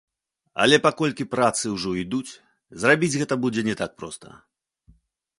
Але паколькі працы ўжо ідуць, зрабіць гэта будзе не так проста.